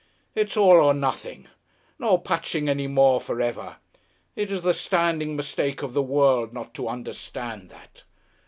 It's all or nothing, no patching any more for ever. It is the standing mistake of the world not to understand that.